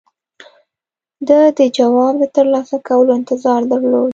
ده د جواب د ترلاسه کولو انتظار درلود.